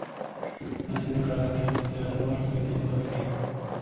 Nacido en Calabria, se trasladó a los tres años a Turín.